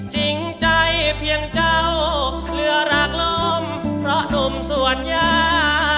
จิ้งใจเพียงเจ้าเผื่อรากลมเพราะหนุ่มสวรรยา